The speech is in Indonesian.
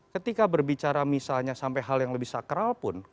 ketika berbicara misalnya sampai hal yang lebih sakral pun